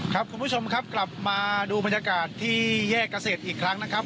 ครับคุณผู้ชมครับกลับมาดูบรรยากาศที่แยกเกษตรอีกครั้งนะครับ